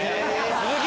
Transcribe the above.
鈴木！